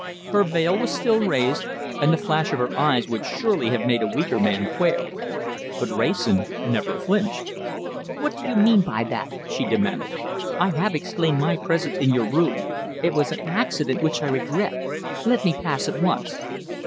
Her veil was still raised, and the flash of her eyes would surely have made a weaker man quail. But Wrayson never flinched. "What do you mean by that?" she demanded. "I have explained my presence in your room. It was an accident which I regret. Let me pass at once."